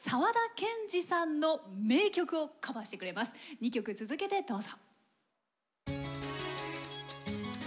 ２曲続けてどうぞ。